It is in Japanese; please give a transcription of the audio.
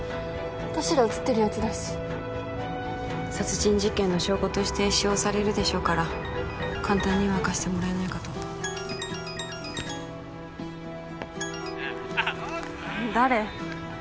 私ら写ってるやつだし殺人事件の証拠として使用されるでしょうから簡単には貸してもらえないかと誰？